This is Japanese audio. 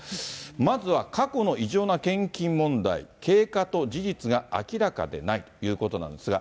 まずは過去の異常な献金問題、経過と事実が明らかでないということなんですが。